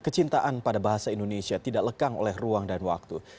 kecintaan pada bahasa indonesia tidak lekang oleh ruang dan waktu